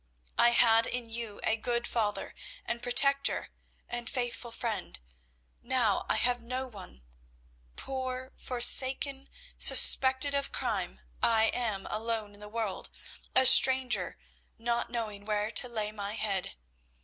I had in you a good father and protector and faithful friend. Now I have no one. Poor, forsaken, suspected of crime, I am alone in the world, a stranger, not knowing where to lay my head.